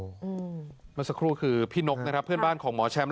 เมื่อสักครู่คือพี่นกนะครับเพื่อนบ้านของหมอแชมป์